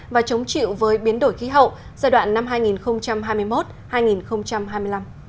và chống chịu với biến đổi khí hậu giai đoạn năm hai nghìn hai mươi một hai nghìn hai mươi năm